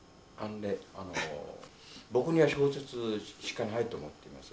僕には小説しかないと思っています。